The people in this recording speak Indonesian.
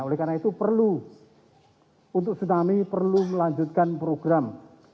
oleh karena itu perlu untuk tsunami perlu melanjutkan program